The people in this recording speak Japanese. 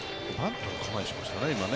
バントの構えをしましたね。